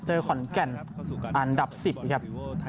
ขอนแก่นอันดับ๑๐ครับ